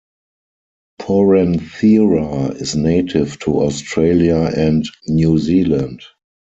"Poranthera" is native to Australia and New Zealand.